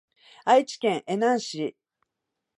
愛知県江南市